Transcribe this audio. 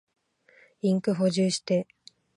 インク補充して。